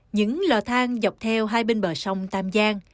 những lò thang dọc theo hai bên bờ sông tam giang